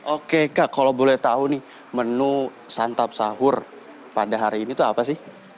oke kak kalau boleh tahu nih menu santap sahur pada hari ini tuh apa sih